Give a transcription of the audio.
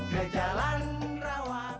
ke jalan rawat